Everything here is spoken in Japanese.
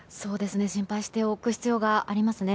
心配しておく必要がありますね。